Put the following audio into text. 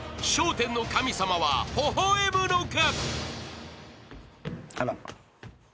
１０の神様はほほ笑むのか？］